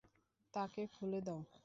তাকে খুলে দাও।